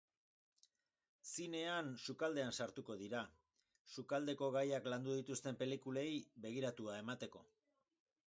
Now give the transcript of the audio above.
Zinean sukaldean sartuko dira, sukaldeko gaiak landu dituzten pelikulei begiratua emateko.